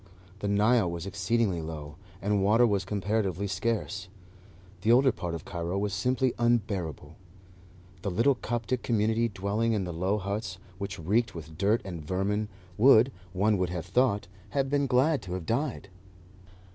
The Nile was exceedingly low, and water was comparatively scarce. The older part of Cairo was simply unbearable; the little Koptic community dwelling in the low huts, which reeked with dirt and vermin, would, one would have thought, have been glad to have died.